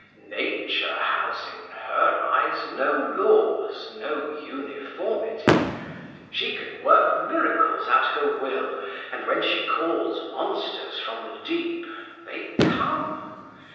Nature has, in her eyes, no laws, no uniformity. She can work miracles at her will, and when she calls monsters from the deep they come.